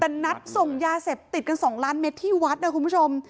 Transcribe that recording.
แต่นัดส่งยาเสพติดกัน๒ล้านเมตรที่วัดนะคุณผู้ชม